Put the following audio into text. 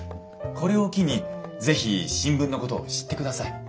これを機に是非新聞のことを知ってください。